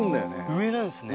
上なんですね。